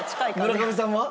村上さんは？